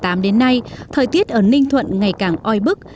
từ năm hai nghìn một mươi tám đến nay thời tiết ở ninh thuận ngày càng oi bức